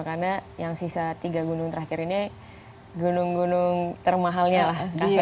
karena yang sisa tiga gunung terakhir ini gunung gunung termahalnya lah